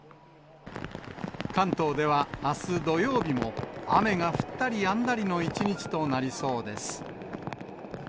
関東ではあす土曜日も、雨が降ったりやんだりの一日となりそうです。